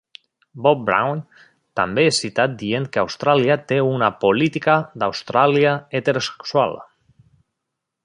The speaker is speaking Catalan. Bob Brown també és citat dient que Austràlia té una "política d'Austràlia heterosexual".